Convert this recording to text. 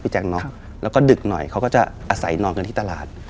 แจ๊คเนอะแล้วก็ดึกหน่อยเขาก็จะอาศัยนอนกันที่ตลาด